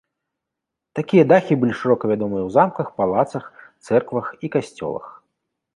Такія дахі былі шырока вядомы ў замках, палацах, цэрквах і касцёлах.